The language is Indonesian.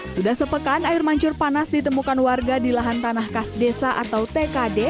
sudah sepekan air mancur panas ditemukan warga di lahan tanah kas desa atau tkd